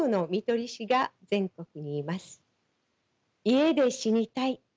「家で死にたい」。